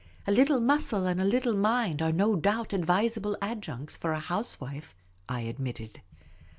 " A little muscle and a little mind are no doubt advisable adjuncts for a housewife," I admitted.